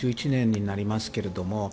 １１年になりますけど。